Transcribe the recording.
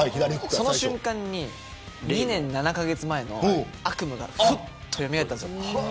その瞬間に２年７カ月前の悪夢がふっとよみがえったんです。